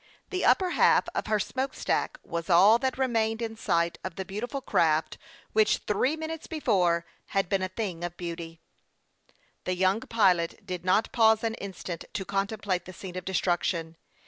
The upper half of her smoke stack was all that remained in sight of the beautiful craft which three minutes before had been a thing of beauty on the waves. The young pilot did not pause an iostant to con template the scene of destruction.